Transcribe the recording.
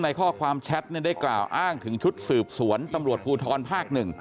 ในข้อความแชทได้กล่าวอ้างถึงชุดสืบสวนตำรวจภูทรภาค๑